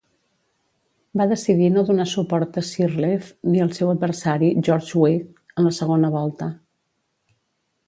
Va decidir no donar suport a Sirleaf ni el seu adversari, George Weah, en la segona volta.